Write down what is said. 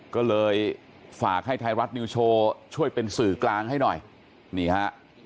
ก็เลยฝากให้ไทยรัฐนิวโชว์ช่วยเป็นสื่อกลางให้หน่อยนี่ฮะ